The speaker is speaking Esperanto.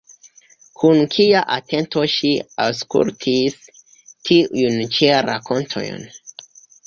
Kun kia atento ŝi aŭskultis tiujn ĉi rakontojn!